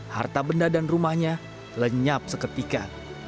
harta benda dan rumahnya lenyap seketika